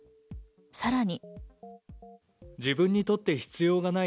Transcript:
さらに。